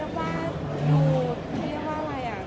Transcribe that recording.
เรียกว่าดูเรียกว่าอะไรอะ